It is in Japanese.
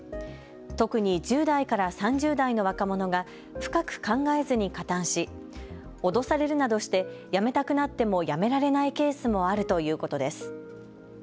特に１０代から３０代の若者が深く考えずに加担し、脅されるなどして辞めたくなっても辞められないケースもあるということです。